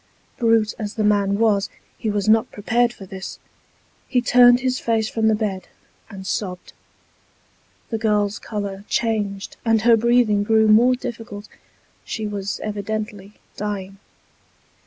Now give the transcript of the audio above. Brute as the man was, he was not prepared for this. He turned his face from the bed, and sobbed. The girl's colour changed, and her breathing grew more difficult. She was evidently dying.